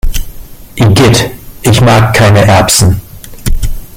Igitt, ich mag keine Erbsen!